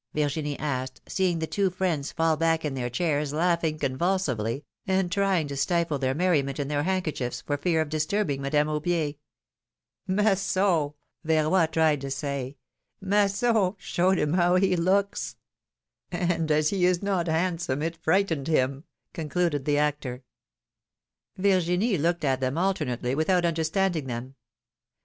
Virginie asked, seeing the two friends fall back in their chairs laughing convulsively, and trying to stifle their merriment in their handkerchiefs, for fear of disturbing Madame Aubier. Masson — Verroy tried to say — Masson — showed him how he looks.^^ ^^And, as he is not handsome, it frightened him,'^ con cluded the actor. Virginie looked at them alternately, without under standing them.